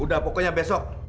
udah pokoknya besok